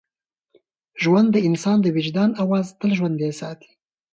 ژوند د انسان د وجدان اواز تل ژوندی ساتي.